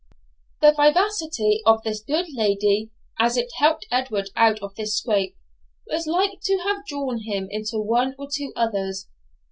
The vivacity of this good lady, as it helped Edward out of this scrape, was like to have drawn him into one or two others.